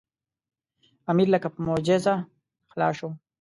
امیر لکه په معجزه خلاص شو.